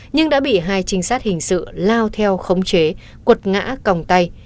nhưng đã bị hai trinh sát hình sự lao theo khống chế cuột ngã còng tay